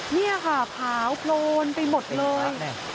นี่ค่ะขาวโพลนไปหมดเลย